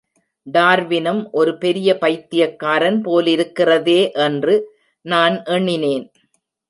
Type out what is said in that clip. டார்வினும் ஒரு பெரிய பைத்தியக்காரன் போலிருக்கிறதே என்று நான் எண்ணினேன்.